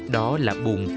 đó là bùn